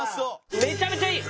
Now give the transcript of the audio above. めちゃめちゃいい！